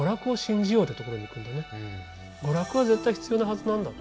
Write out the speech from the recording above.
娯楽は絶対必要なはずなんだって。